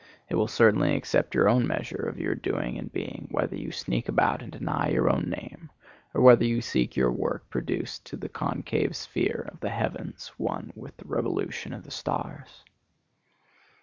It will certainly accept your own measure of your doing and being, whether you sneak about and deny your own name, or whether you see your work produced to the concave sphere of the heavens, one with the revolution of the stars.